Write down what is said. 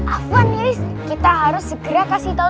apaan liz kita harus segera kasih tau